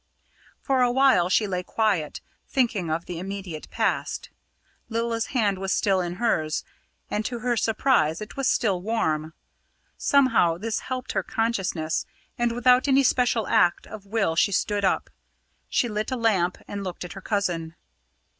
For a while she lay quiet, thinking of the immediate past. Lilla's hand was still in hers, and to her surprise it was still warm. Somehow this helped her consciousness, and without any special act of will she stood up. She lit a lamp and looked at her cousin.